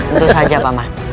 itu saja paman